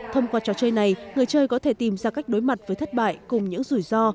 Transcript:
thông qua trò chơi này người chơi có thể tìm ra cách đối mặt với thất bại cùng những rủi ro